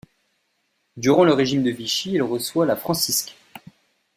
Durant le régime de Vichy, Il reçoit la Francisque.